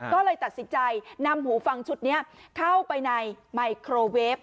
ก็เลยตัดสินใจนำหูฟังชุดนี้เข้าไปในไมโครเวฟ